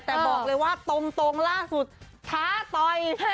แต่บอกเลยว่าตรงล่าสุดท้าต่อย